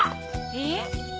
えっ？